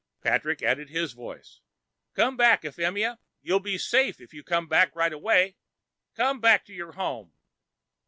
Patrick added his voice. "Come back, Euphemia. You'll be safe if you come back right away. Come back to your home."